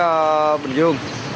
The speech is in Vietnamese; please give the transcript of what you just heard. ở bình dương